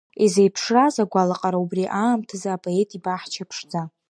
Изеиԥшраз агәалаҟара убри аамҭазы апоет ибаҳча ԥшӡа?